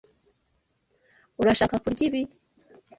Urashaka kurya ibi?